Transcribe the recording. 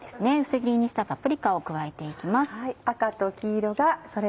薄切りにしたパプリカを加えて行きます。